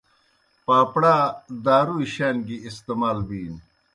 پاپڑا دارُوئے شان گیْ استعمال بِینوْ۔